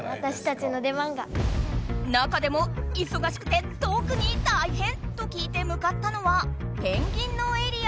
中でもいそがしくてとくに大変！と聞いてむかったのはペンギンのエリア。